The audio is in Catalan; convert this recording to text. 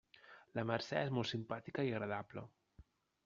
La Mercè és molt simpàtica i agradable.